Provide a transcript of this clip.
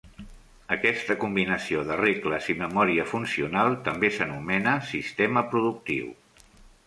Aquesta combinació de regles i memòria funcional també s'anomena sistema productiu.